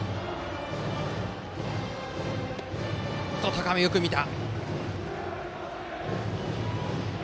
高め、よく見た。